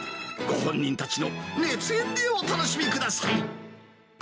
ご本人たちの熱演でお楽しみください。